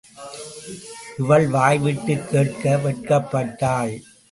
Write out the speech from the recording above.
இவள் வாய்விட்டுக் கேட்க வெட்கப்பட்டாள்.